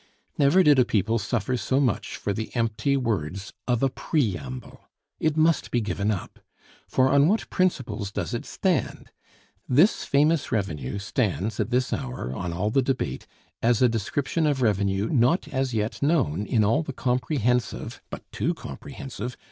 Never did a people suffer so much for the empty words of a preamble. It must be given up. For on what principles does it stand? This famous revenue stands, at this hour, on all the debate, as a description of revenue not as yet known in all the comprehensive (but too comprehensive!)